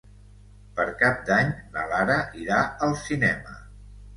Per Cap d'Any na Lara irà al cinema.